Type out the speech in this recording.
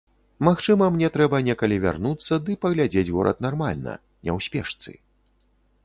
Магчыма, мне трэба некалі вярнуцца ды паглядзець горад нармальна, не ў спешцы.